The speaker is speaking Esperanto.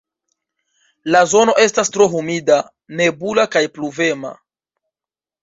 La zono estas tro humida, nebula kaj pluvema.